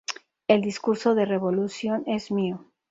El discurso de 'Revolution' es mío".